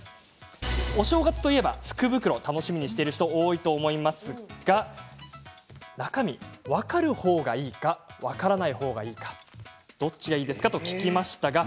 お正月といえば福袋を楽しみにしている方も多いと思いますが中身、分かる方がいいか分からない方がいいかどっちがいいですかと聞きました。